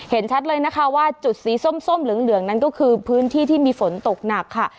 เห็นชัดเลยนะคะว่าจุดสีส้มเหลืองนั้นก็คือพื้นที่ที่มีฝนตกหนักค่ะ